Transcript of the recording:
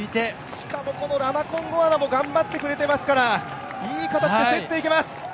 しかもこのラマコンゴアナも頑張ってくれていますから、いい形で競っていけます。